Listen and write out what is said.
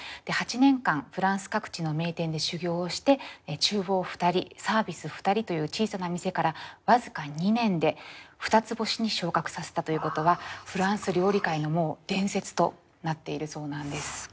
で８年間フランス各地の名店で修業をして厨房２人サービス２人という小さな店から僅か２年で２つ星に昇格させたということはフランス料理界の伝説となっているそうなんです。